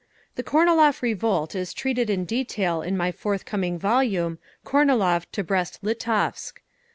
The Kornilov revolt is treated in detail in my forthcoming volume, "Kornilov to Brest Litovsk."